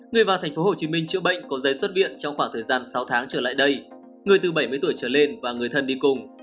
người vào tp hcm chữa bệnh có giấy xuất viện trong khoảng thời gian sáu tháng trở lại đây người từ bảy mươi tuổi trở lên và người thân đi cùng